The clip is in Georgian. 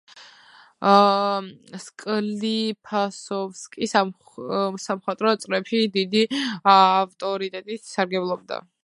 სკლიფასოვსკი სამხატვრო წრეებში დიდი ავტორიტეტით სარგებლობდა.